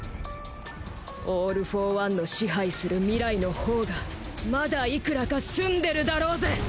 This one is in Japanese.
オール・フォー・ワンの支配する未来の方がまだ幾らか澄んでるだろうぜ！